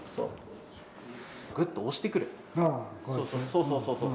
そうそうそうそう。